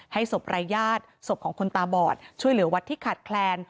ศพรายญาติศพของคนตาบอดช่วยเหลือวัดที่ขาดแคลน